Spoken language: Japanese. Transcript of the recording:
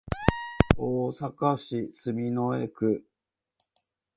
大阪市住之江区